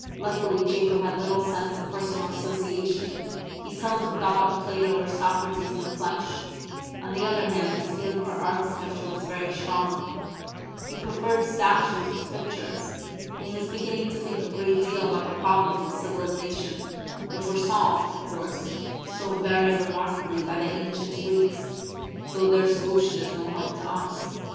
Luckily Jacob had little sense of personal association; he seldom thought of Plato or Socrates in the flesh; on the other hand his feeling for architecture was very strong; he preferred statues to pictures; and he was beginning to think a great deal about the problems of civilization, which were solved, of course, so very remarkably by the ancient Greeks, though their solution is no help to us.